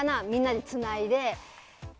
みんなでつないで。